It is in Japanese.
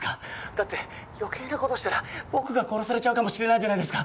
☎だって余計なことしたら僕が殺されちゃうかもしれないじゃないですか